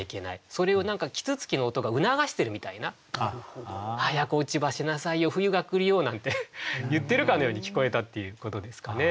それを啄木鳥の音が促してるみたいな「早く落葉しなさいよ冬が来るよ」なんて言ってるかのように聞こえたっていうことですかね。